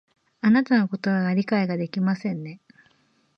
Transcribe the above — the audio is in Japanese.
あなたのことを理解ができませんね